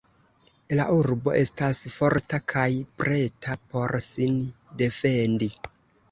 La urbo estas forta kaj preta por sin defendi.